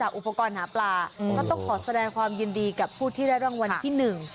อุปกรณ์หาปลาก็ต้องขอแสดงความยินดีกับผู้ที่ได้รางวัลที่หนึ่ง